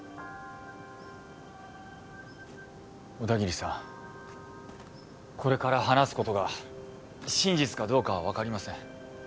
小田桐さんこれから話す事が真実かどうかはわかりません。